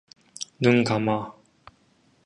눈 감아.